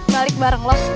balik bareng lo